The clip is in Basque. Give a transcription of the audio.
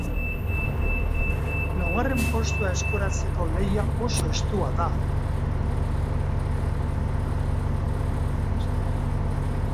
Laugarren postua eskuratzeko lehia oso estua da.